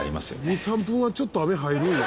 ２３分はちょっと雨入るんや。